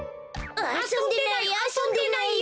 あそんでないあそんでない。